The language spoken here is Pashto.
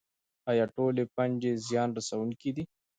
ایا ټولې فنجي زیان رسوونکې دي